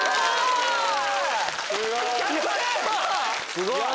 すごい！